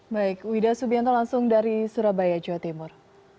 baik wida subianto langsung dari surabaya jawa timur